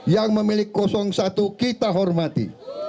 yang memiliki satu kita hormati